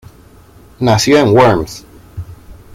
Nació en Worms.